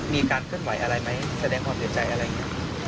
มีการเคลื่อนไหวอะไรไหมแสดงความเสียใจอะไรอย่างนี้